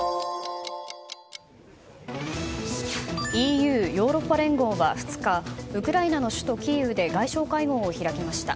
ＥＵ・ヨーロッパ連合は２日ウクライナの首都キーウで外相会合を開きました。